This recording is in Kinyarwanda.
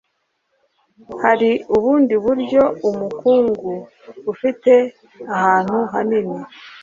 hari ubundi buryo umukungu ufite ahantu hanini